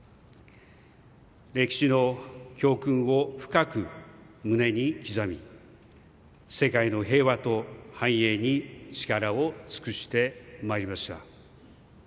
歴史の教訓を深く胸に刻み世界の平和と繁栄に力を尽くしてまいりました。